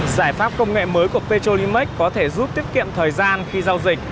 giải pháp công nghệ mới của petrolimax có thể giúp tiết kiệm thời gian khi giao dịch